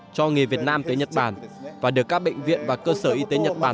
cho nghề việt nam tới nhật bản và được các bệnh viện và cơ sở y tế nhật bản